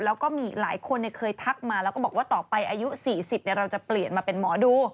แล้วก็มีอีกหลายคนเคยทักมาแล้วก็บอกว่าต่อไปอายุ๔๐เราจะเปลี่ยนมาเป็นหมอดู